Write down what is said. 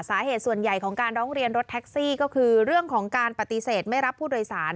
สาเหตุส่วนใหญ่ของการร้องเรียนรถแท็กซี่ก็คือเรื่องของการปฏิเสธไม่รับผู้โดยสาร